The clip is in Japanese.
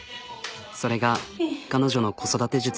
それが彼女の子育て術。